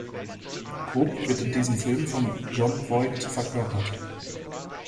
Rupp wird in diesem Film von Jon Voight verkörpert.